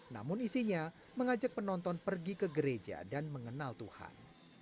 namun isinya mengajak penonton pergi ke gereja dan mengenal tuhan